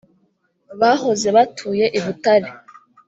bahoze batuye i butare.